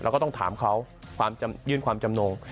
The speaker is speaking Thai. ก็ต้องถามเขาความยื่นความจำนง